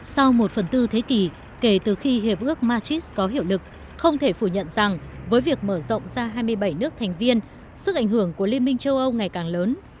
sau một phần tư thế kỷ kể từ khi hiệp ước matrix có hiệu lực không thể phủ nhận rằng với việc mở rộng ra hai mươi bảy nước thành viên sức ảnh hưởng của liên minh châu âu ngày càng lớn